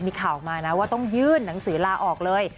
มีข่าวออกมานะว่าต้องยื่นหนังสือลาออกเลย